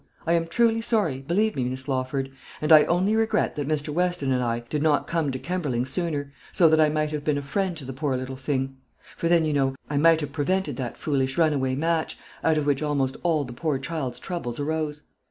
I am truly sorry, believe me, Miss Lawford; and I only regret that Mr. Weston and I did not come to Kemberling sooner, so that I might have been a friend to the poor little thing; for then, you know, I might have prevented that foolish runaway match, out of which almost all the poor child's troubles arose.